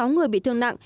sáu người bị thương nặng